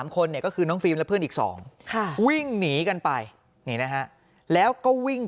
คนเนี่ยก็คือน้องฟิล์มและเพื่อนอีก๒วิ่งหนีกันไปนี่นะฮะแล้วก็วิ่ง